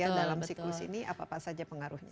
ya dalam siklus ini apa apa saja pengaruhnya